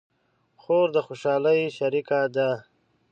خور د خوشحالۍ شریکه ده.